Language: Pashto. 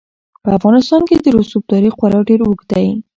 په افغانستان کې د رسوب تاریخ خورا ډېر اوږد دی.